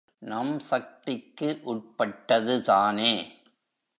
நம் சக்திக்கு உட்பட்டது தானே?